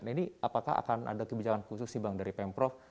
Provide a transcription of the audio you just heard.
nah ini apakah akan ada kebijakan khusus nih bang dari pmprf